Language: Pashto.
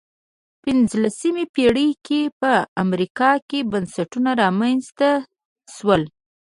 پنځلسمې پېړۍ کې په امریکا کې بنسټونه رامنځته شول.